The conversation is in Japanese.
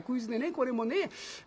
これもね。